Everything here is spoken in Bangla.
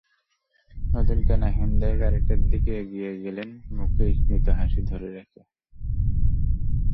নতুন কেনা হুন্দাই গাড়িটার দিকে এগিয়ে গেলেন মুখে স্মিত হাসি ধরে রেখে।